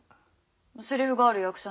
セリフがある役者なのに？